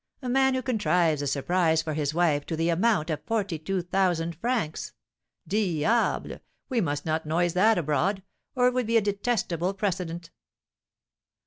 A man who contrives a surprise for his wife to the amount of forty two thousand francs! Diable! we must not noise that abroad, or it would be a detestable precedent."